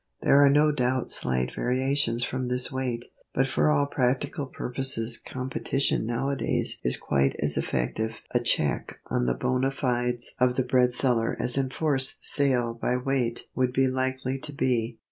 There are no doubt slight variations from this weight, but for all practical purposes competition nowadays is quite as effective a check on the bona fides of the bread seller as enforced sale by weight would be likely to be.